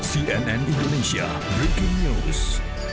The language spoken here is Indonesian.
cnn indonesia breaking news